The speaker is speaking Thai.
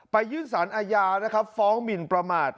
ยื่นสารอาญานะครับฟ้องหมินประมาท